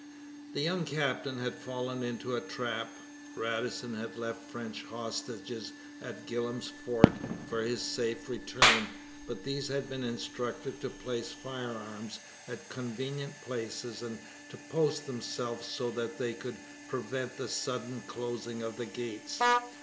The young captain had fallen into a trap. Radisson had left French hostages at Gillam's fort for his safe return, but these had been instructed to place firearms at convenient places and to post themselves so that they could prevent the sudden closing of the gates.